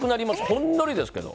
ほんのりですけど。